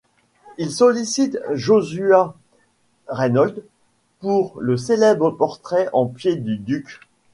Il sollicite Joshua Reynolds pour le célèbre portrait en pied du duc.